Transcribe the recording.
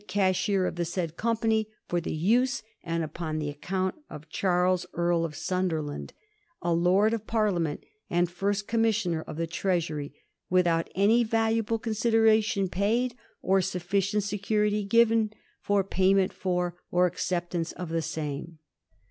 cashier of the said company, for the use and upon the account of Charles, Earl of Sunderland, a Lord of Parliament and First Commissioner of the Treasury, without any valuable consideration paid, or sufficient security given, for payment for or acceptance of the same.'